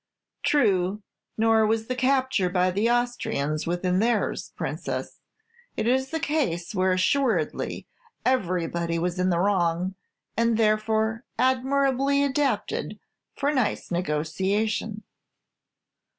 "True; nor was the capture by the Austrians within theirs, Princess. It is a case where assuredly everybody was in the wrong, and, therefore, admirably adapted for nice negotiation."